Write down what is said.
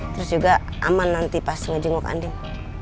terus juga aman nanti pas ngejengok anding